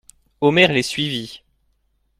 Omer les suivit.